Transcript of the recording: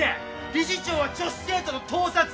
理事長は女子生徒の盗撮！